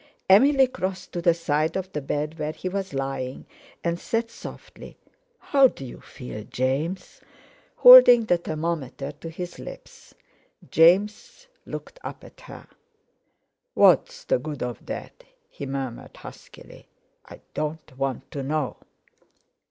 Emily crossed to the side of the bed where he was lying, and said softly, "How do you feel, James?" holding the thermometer to his lips. James looked up at her. "What's the good of that?" he murmured huskily; "I don't want to know."